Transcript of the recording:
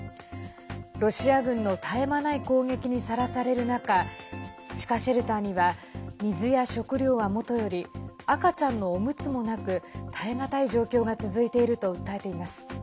ロシア軍の絶え間ない攻撃にさらされる中地下シェルターには水や食料はもとより赤ちゃんのおむつもなく耐え難い状況が続いていると訴えています。